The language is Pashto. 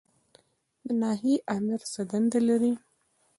د ناحیې آمر څه دنده لري؟